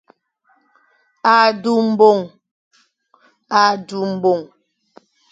A du mbong.